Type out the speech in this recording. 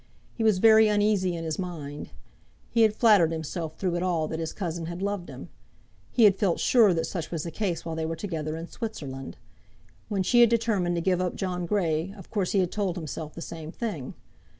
He was very uneasy in his mind. He had flattered himself through it all that his cousin had loved him. He had felt sure that such was the case while they were together in Switzerland. When she had determined to give up John Grey, of course he had told himself the same thing.